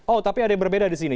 oh tapi ada yang berbeda di sini